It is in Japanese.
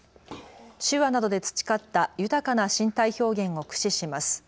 手話などで培った豊かな身体表現を駆使します。